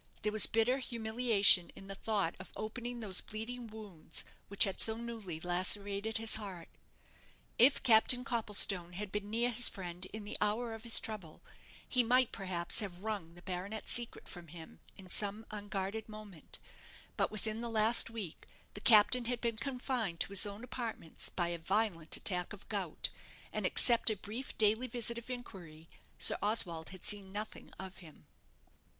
There was bitter humiliation in the thought of opening those bleeding wounds which had so newly lacerated his heart. If Captain Copplestone had been near his friend in the hour of his trouble, he might, perhaps, have wrung the baronet's secret from him in some unguarded moment; but within the last week the Captain had been confined to his own apartments by a violent attack of gout; and except a brief daily visit of inquiry, Sir Oswald had seen nothing of him.